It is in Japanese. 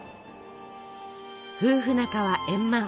夫婦仲は円満。